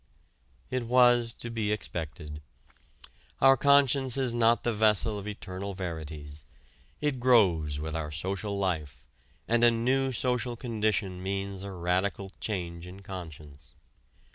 It was to be expected. Our conscience is not the vessel of eternal verities. It grows with our social life, and a new social condition means a radical change in conscience.